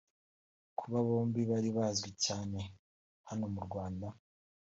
Kuba bombi bari bazwi cyane hano mu Rwanda